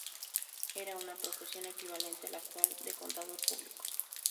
Era una profesión equivalente a la actual de contador público.